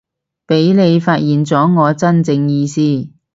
畀你發現咗我真正意思